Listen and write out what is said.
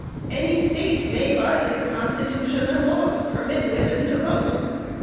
Any State may, by its Constitution and laws, permit women to vote.